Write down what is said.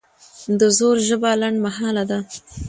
د زور ژبه لنډمهاله ده